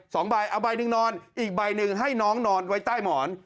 สองใบเอาใบหนึ่งนอนอีกใบหนึ่งให้น้องนอนไว้ใต้หมอน